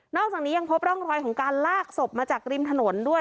อกจากนี้ยังพบร่องรอยของการลากศพมาจากริมถนนด้วย